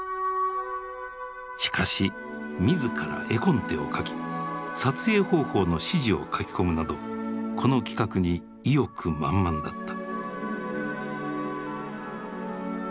しかし自ら絵コンテを描き撮影方法の指示を書き込むなどこの企画に意欲満々だった。